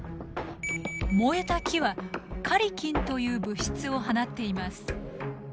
燃えた木はカリキンという物質を放っています。